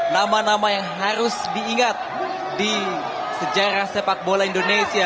nama nama yang harus diingat di sejarah sepak bola indonesia